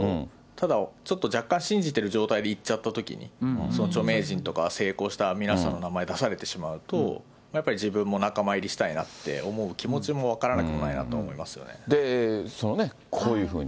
ただちょっと若干信じてる状態で行っちゃったときに、著名人とか成功した皆さんの名前出されてしまうと、やっぱり自分も仲間入りしたいなと思う気持ちも分からなくもないで、そのね、こういうふうに。